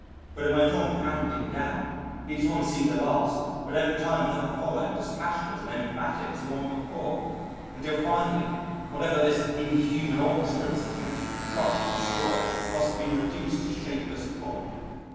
But it went on pounding down each one seemed the last but every time another followed as passionate and emphatic as the one before, until finally, whatever this inhuman orchestra was attempting to crush and destroy must have been reduced to shapeless pulp.